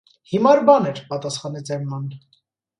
հիմար բան էր,- պատասխանեց Էմման: